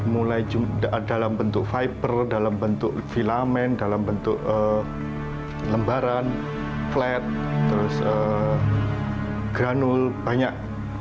mulai dalam bentuk viper dalam bentuk filament dalam bentuk lembaran flat granul banyak